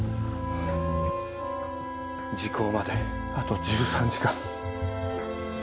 時効まであと１３時間。